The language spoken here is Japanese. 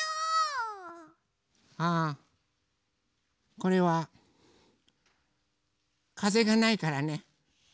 ああこれはかぜがないからね。